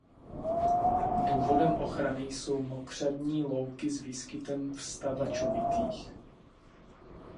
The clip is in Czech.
Důvodem ochrany jsou mokřadní louky s výskytem vstavačovitých.